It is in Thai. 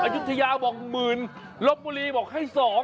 อายุทยาบอกหมื่นลบบุรีบอกให้๒